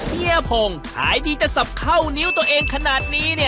แม้เหี้ยพงษ์หายดีจะสับเข้านิ้วตัวเองขนาดนี้